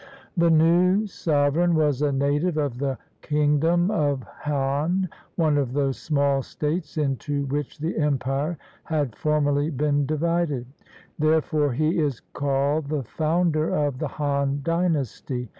The new sovereign was a native of the Kingdom of Han, one of those small states into which the empire had formerly been divided ; therefore he is called the founder of the Han Dynasty.